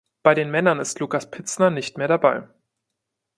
Bei den Männern ist Lucas Pitzer nicht mehr dabei.